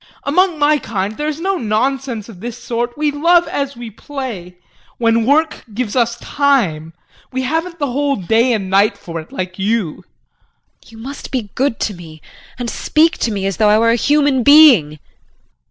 Among my kind there is no nonsense of this sort; we love as we play when work gives us time. We haven't the whole day and night for it like you. JULIE. You must be good to me and speak to me as though I were a human being.